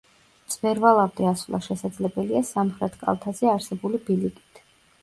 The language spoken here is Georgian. მწვერვალამდე ასვლა შესაძლებელია სამხრეთ კალთაზე არსებული ბილიკით.